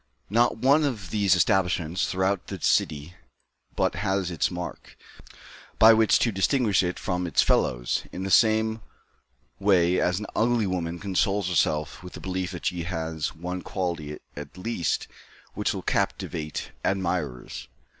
Not one of these establishments, throughout the city, but has its mark, by which to distinguish it from its fellows, in the same way as an ugly woman consoles herself with the belief that she has one quality at least which will captivate admirers.